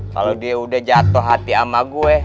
kalo dia udah jatoh hati ama gue